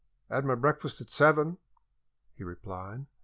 "'Ad my breakfast at seven," he replied.